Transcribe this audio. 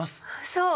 そう！